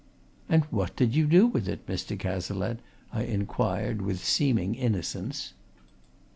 "And what did you do with it, Mr. Cazalette?" I inquired with seeming innocence.